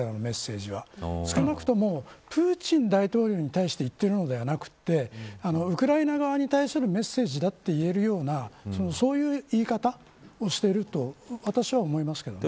これらのメッセージは少なくともプーチン大統領に対して言っているのではなくてウクライナ側に対するメッセージだといえるようなそういう言い方をしていると私は思います。